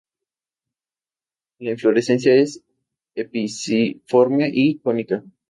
La inflorescencia es espiciforme y cónica.